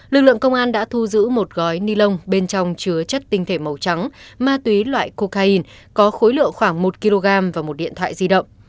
lực lượng công an đã thu giữ một gói ni lông bên trong chứa chất tinh thể màu trắng ma túy loại cocaine có khối lượng khoảng một kg và một điện thoại di động